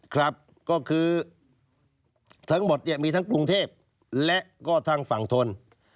ครับก็คือทั้งหมดเนี่ยมีทั้งกรุงเทพและก็ทางฝั่งทน